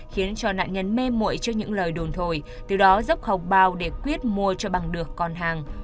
khiến cho nạn nhân mê mụi trước những lời đồn thổi từ đó dốc hộp bao để quyết mua cho bằng được con hàng